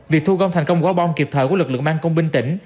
việc thu gom thành công quả bom kịp thời của lực lượng mang công binh tỉnh